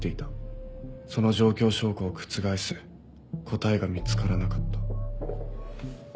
その状況証拠を覆す答えが見つからなかった。